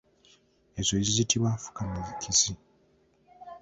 Ezo ziyitibwa nfukamikizi.